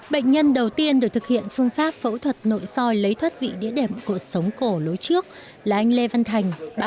bệnh nhân đầu tiên được thực hiện phương pháp phẫu thuật nội soi lấy thoát vị địa đẹp của sống cổ lối trước là anh lê văn thành